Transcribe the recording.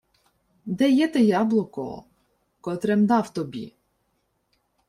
— Де є те яблуко, котре-м дав тобі?